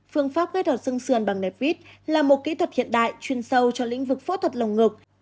phương pháp gây thọt sừng sườn bằng nẹp vít là một kỹ thuật hiện đại chuyên sâu cho lĩnh vực phẫu thuật lồng ngực